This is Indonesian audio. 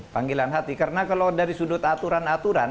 panggilan hati karena kalau dari sudut aturan aturan